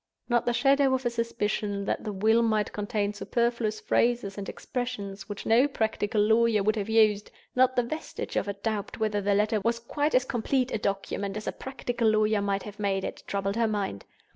Not the shadow of a suspicion that the Will might contain superfluous phrases and expressions which no practical lawyer would have used; not the vestige of a doubt whether the Letter was quite as complete a document as a practical lawyer might have made it, troubled her mind.